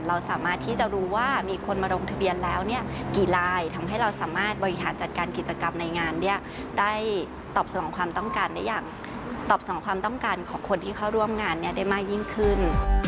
เราสามารถที่จะรู้ว่ามีคนมาลงทะเบียนแล้วกี่รายทำให้เราสามารถบริหารจัดการกิจกรรมในงานได้ตอบสนองความต้องการของคนที่เขาร่วมงานได้มากยิ่งขึ้น